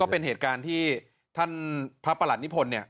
ก็เป็นเหตุการณ์ที่ท่านพระอัลประลันนิพนธ์เนี่ย